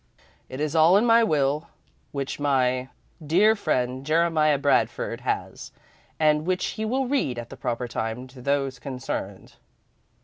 It is all in my will, which my dear friend Jeremiah Bradford has, and which he will read at the proper time to those concerned."